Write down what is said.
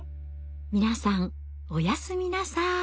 皆さんおやすみなさい。